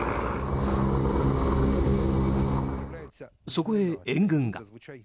そこへ援軍が。